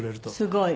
すごい。